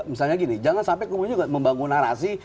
misalnya gini jangan sampai kemudian juga membangun narasi